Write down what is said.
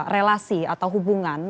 relasi atau hubungan